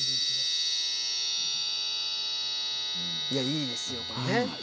いいですよこれね。